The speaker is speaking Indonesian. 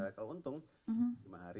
kalau untung lima hari